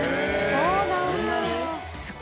そうなんだ。